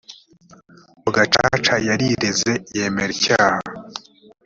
muri gacaca yarireze yemera icyaha